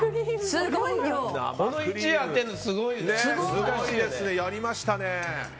すごいですね、やりましたね。